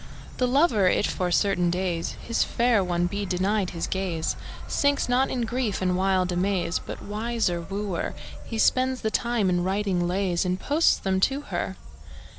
The lover, if for certain days His fair one be denied his gaze, Sinks not in grief and wild amaze, But, wiser wooer, He spends the time in writing lays, And posts them to her.